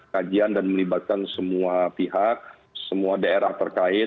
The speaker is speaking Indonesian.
kajian dan melibatkan semua pihak semua daerah terkait